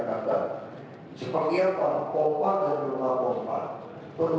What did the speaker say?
kalau kami kan kami minta dibayar dulu